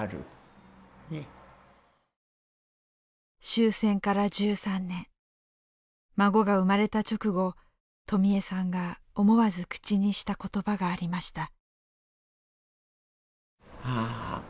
終戦から１３年孫が生まれた直後とみゑさんが思わず口にした言葉がありました。